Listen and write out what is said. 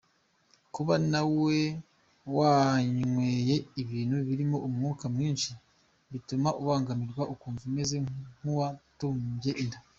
Kuba nawe wanyweye ibintu birimo umwuka mwinshi bituma ubangamirwa ukumva umeze nk’uwatumbye inda.